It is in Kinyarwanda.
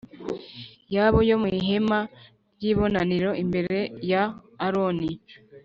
Yabo yo mu ihema ry ibonaniro imbere ya aroni